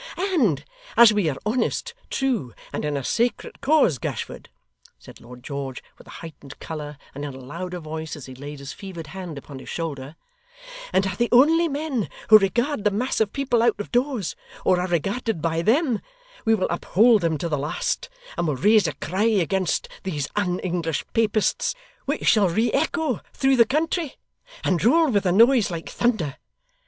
'And as we are honest, true, and in a sacred cause, Gashford,' said Lord George with a heightened colour and in a louder voice, as he laid his fevered hand upon his shoulder, 'and are the only men who regard the mass of people out of doors, or are regarded by them, we will uphold them to the last; and will raise a cry against these un English Papists which shall re echo through the country, and roll with a noise like thunder.